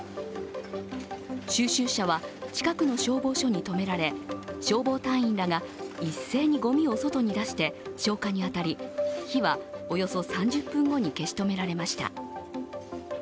収集車は近くの消防署に止められ消防隊員らが一斉にごみを外に出して消火に当たり、火はおよそ３０分後に消し止められました。